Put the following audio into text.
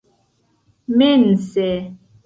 mense